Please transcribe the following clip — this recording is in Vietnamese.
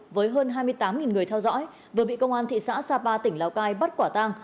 với hơn hai mươi tám người theo dõi vừa bị công an thị xã sapa tỉnh lào cai bắt quả tang